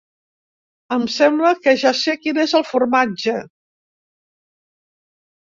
“Em sembla que ja sé quin és el formatge.